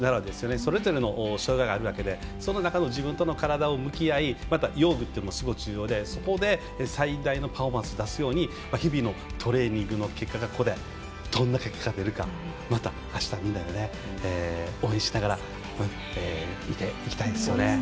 それぞれの障がいがある中でその中の自分との体と向き合いまた用具というのもすごい重要でそこで最大のパフォーマンスを出すように日々のトレーニングの成果がここでどんな結果が出るかまたあしたみんなで応援しながら見ていきたいですよね。